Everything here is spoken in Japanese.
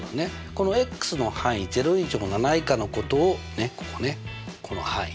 このの範囲０以上７以下のことをねっここねこの範囲